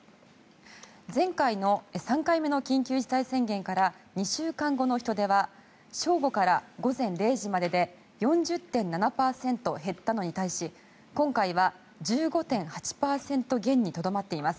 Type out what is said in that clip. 前回の３回目の緊急事態宣言から２週間後の人出は正午から午前０時までで４０．７％減ったのに対し今回は１５．８％減にとどまっています。